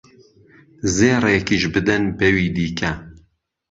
زێڕێکیش بدەن بەوی دیکە